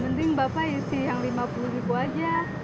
mending bapak isi yang lima puluh ribu aja